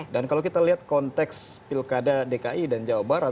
dan kalau kita lihat konteks pilkada dki dan jawa barat